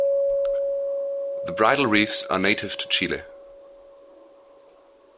The bridal wreaths are native to Chile.